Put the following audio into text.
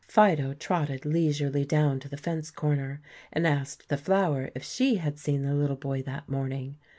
Fido trotted leisurely down to the fence corner and asked the flower if she had seen the little boy that morning.